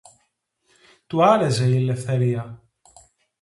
Του άρεζε η ελευθερία